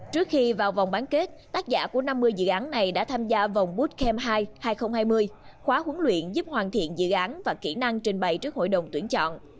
trước khi vào vòng bán kết tác giả của năm mươi dự án này đã tham gia vòng bootcamp hai hai nghìn hai mươi khóa huấn luyện giúp hoàn thiện dự án và kỹ năng trình bày trước hội đồng tuyển chọn